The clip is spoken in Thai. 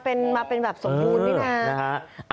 เป็นมาเป็นแบบสมบูรณ์นี่นะ